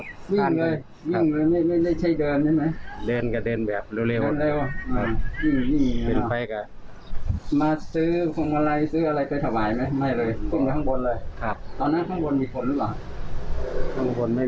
เคยมีเหตุการณ์อะไรอย่างนี้ไหมครับตั้งแต่ขายของมา